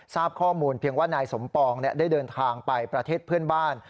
ทราบข้อมูลเพียงว่านายสมปองได้เดินทางไปประเทศเพื่อนบ้าน